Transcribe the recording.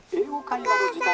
お母さん。